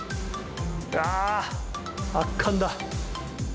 あー、圧巻だ。